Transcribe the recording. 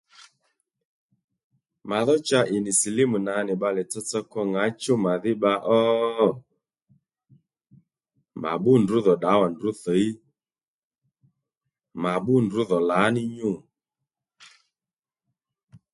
Mà dhó cha ì nì silímù nà nì bbalè tsotso kwo ŋǎchú màdhí bba ó? Mà bbú ndrǔ dhò ddǎwà ndrǔ thǐy, mà bbú ndrǔ dhò lǎní nyû